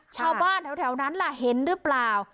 ชาวบ้านแถวแถวนั้นแหละแห่งแห่งหรือเปล่า